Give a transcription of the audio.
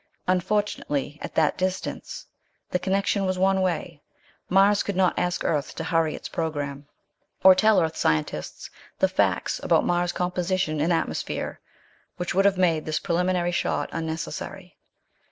Unfortunately, at that distance, the connection was one way. Mars could not ask Earth to hurry its program. Or tell Earth scientists the facts about Mars' composition and atmosphere which would have made this preliminary shot unnecessary.